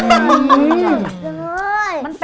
อันนี้คืออันนี้คือ